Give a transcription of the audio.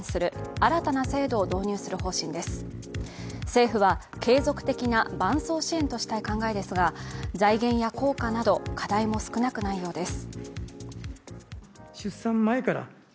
政府は継続的な伴走支援としたい考えですが財源や効果など課題も少なくないようです。